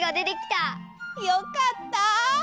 よかった！